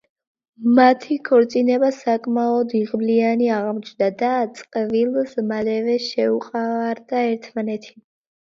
მათი ქორწინება საკმაოდ იღბლიანი აღმოჩნდა და წყვილს მალევე შეუყვარდა ერთმანეთი.